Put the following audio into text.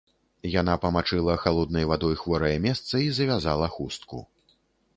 Яна памачыла халоднай вадой хворае месца і завязала хустку.